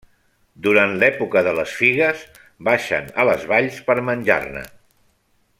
Durant l'època de les figues baixen a les valls per menjar-ne.